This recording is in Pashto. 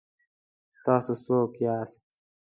ـ تاسو څوک یاست؟